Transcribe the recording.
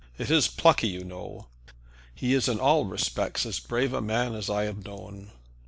It is plucky, you know." "He is in all respects as brave a man as I have known."